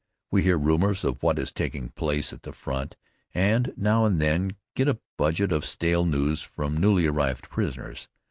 We hear rumors of what is taking place at the front, and now and then get a budget of stale news from newly arrived prisoners.